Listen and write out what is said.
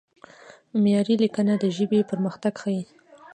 معیاري لیکنه د ژبې پرمختګ ښيي.